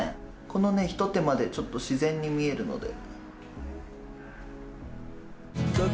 このね一手間ちょっと自然に見えるので。